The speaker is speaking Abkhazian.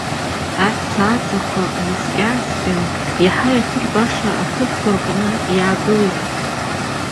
Аҳәсаааӡақәа наскьа-ааскьан, иаҳа иахьырбашаз аҭыԥқәа рҟны иаагылеит.